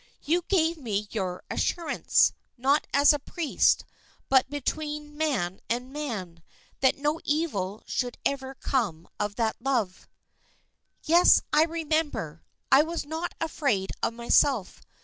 You gave me your assurance, not as to a priest, but between man and man, that no evil should ever come of that love." "Yes, I remember. I was not afraid of myself.